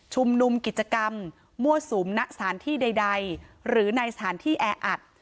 นุมกิจกรรมมั่วสุมณสถานที่ใดหรือในสถานที่แออัด